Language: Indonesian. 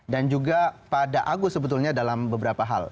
dan juga pada agus sebetulnya dalam beberapa hal